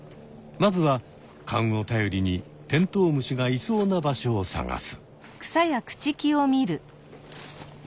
まずはかんをたよりにテントウムシがいそうな場所を探す。